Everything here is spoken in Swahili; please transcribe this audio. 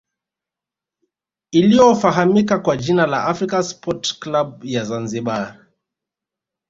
iliyofahamika kwa jina la african sport club ya zanzibar